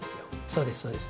そうですそうです。